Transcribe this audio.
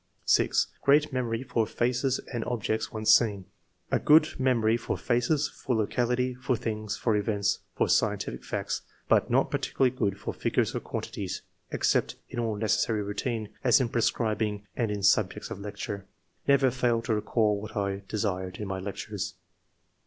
6. " Great memory for faces and objects once seen." 7. "A good memory for faces, for locality, for things, for events, for scientific facts; but not particularly good for figures or quantities, except in all necessary routine, as in prescribing and in subjects of lecture. Never failed to recall what I desired, in my lectures.